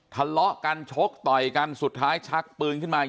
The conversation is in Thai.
ทะเลาะกันชกต่อยกันสุดท้ายชักปืนขึ้นมา